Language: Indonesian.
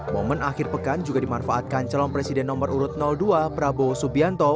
momen akhir pekan juga dimanfaatkan calon presiden nomor urut dua prabowo subianto